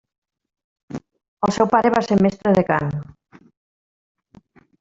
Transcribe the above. El seu pare va ser mestre de cant.